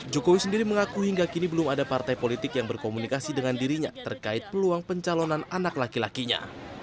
jokowi sendiri mengaku hingga kini belum ada partai politik yang berkomunikasi dengan dirinya terkait peluang pencalonan anak laki lakinya